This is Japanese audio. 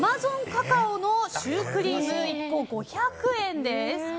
カカオのシュークリーム１個５００円です。